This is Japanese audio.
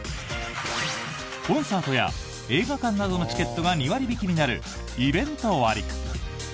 コンサートや映画館などのチケットが２割引きになるイベント割。